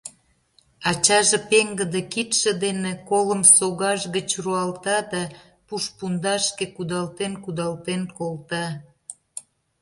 Ачаже пеҥгыде кидше дене колым согаж гыч руалта да пуш пундашке кудалтен-кудалтен колта.